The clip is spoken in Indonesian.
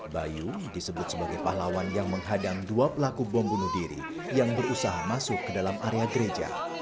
bayu disebut sebagai pahlawan yang menghadang dua pelaku bom bunuh diri yang berusaha masuk ke dalam area gereja